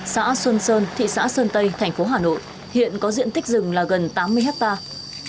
xã xuân sơn thị xã sơn tây thành phố hà nội hiện có diện tích rừng là gần tám mươi hectare